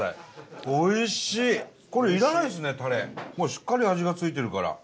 しっかり味がついてるから。